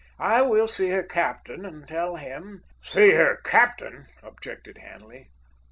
I will see her captain, and tell him——" "See her captain!" objected Hanley.